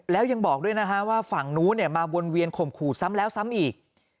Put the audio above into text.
แล้วยังบอกด้วยนะฮะว่าฝั่งนู้นมาวนเวียนข่มขู่ซ้ำแล้วซ้ำอีก